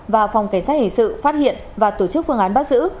và phòng cảnh sát hình sự phát hiện và tổ chức phương án bắt giữ